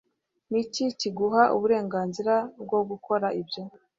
Ni iki kiguha uburenganzira bwo gukora ibyo